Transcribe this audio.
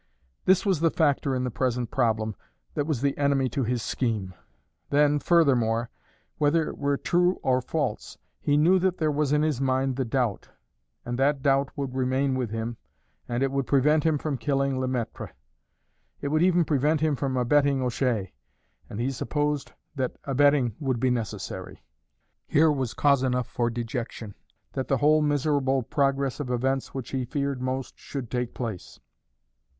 This was the factor in the present problem that was the enemy to his scheme. Then, furthermore, whether it were true or false, he knew that there was in his mind the doubt, and that doubt would remain with him, and it would prevent him from killing Le Maître; it would even prevent him from abetting O'Shea, and he supposed that that abetting would be necessary. Here was cause enough for dejection that the whole miserable progress of events which he feared most should take place.